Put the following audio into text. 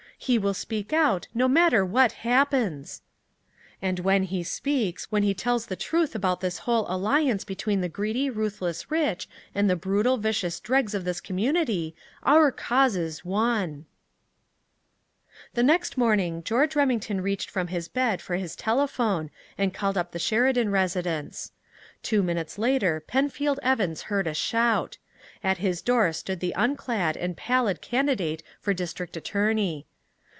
He will speak out, no matter what happens." "And when he speaks, when he tells the truth about this whole alliance between the greedy, ruthless rich and the brutal, vicious dregs of this community our cause is won!" The next morning George Remington reached from his bed for his telephone and called up the Sheridan residence. Two minutes later Penfield Evans heard a shout. At his door stood the unclad and pallid candidate for district attorney.